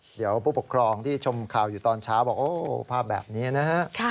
เดี๋ยวผู้ปกครองที่ชมข่าวอยู่ตอนเช้าบอกโอ้ภาพแบบนี้นะฮะ